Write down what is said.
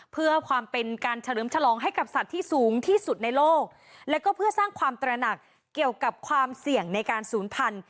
เพื่อความเป็นการเฉลิมฉลองให้กับสัตว์ที่สูงที่สุดในโลกแล้วก็เพื่อสร้างความตระหนักเกี่ยวกับความเสี่ยงในการศูนย์พันธุ